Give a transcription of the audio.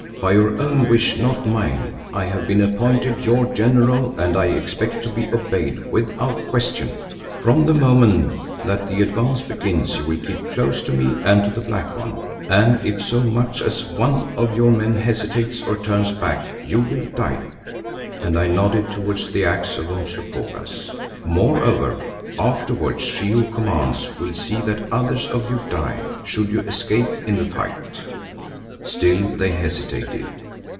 By your own wish, not mine, I have been appointed your general and I expect to be obeyed without question. From the moment that the advance begins you will keep close to me and to the Black One, and if so much as one of your men hesitates or turns back, you will die," and I nodded towards the axe of Umslopogaas. "Moreover, afterwards She who commands will see that others of you die, should you escape in the fight." Still they hesitated.